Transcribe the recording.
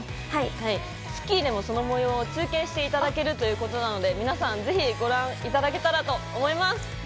『スッキリ』でもその模様を中継していただけるということなので、皆様ぜひご覧いただけたらと思います。